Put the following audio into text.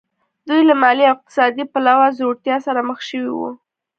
دوی له مالي او اقتصادي پلوه ځوړتیا سره مخ شوي وو